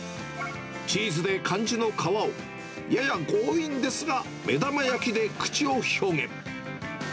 チーズで漢字の川を、やや強引ですが、目玉焼きで口を表現。